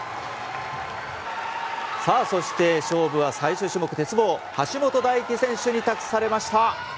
さあそして勝負は最終種目、鉄棒橋本大輝選手に託されました。